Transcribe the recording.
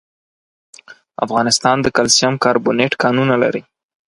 افغانستان د کلسیم کاربونېټ کانونه لري.